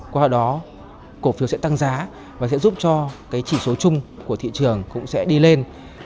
qua đó cổ phiếu sẽ tăng giá và sẽ giúp cho chỉ số chung của thị trường cũng sẽ đi lên